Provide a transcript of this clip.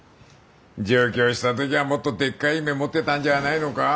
上京した時はもっとでっかい夢持ってたんじゃないのか？